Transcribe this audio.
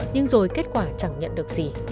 nhưng rồi kết quả chẳng nhận được gì